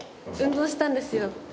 運動したんですよ